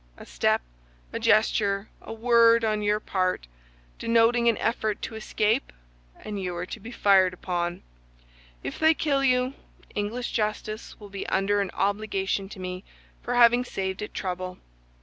A step, a gesture, a word, on your part, denoting an effort to escape, and you are to be fired upon. If they kill you, English justice will be under an obligation to me for having saved it trouble.